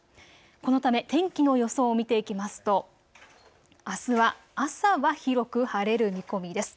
このため天気の予想を見ていきますとあすは朝は広く晴れる見込みです。